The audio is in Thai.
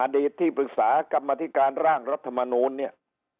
ที่ปรึกษากรรมธิการร่างรัฐมนูลเนี่ย